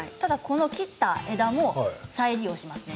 切った枝も再利用ができます。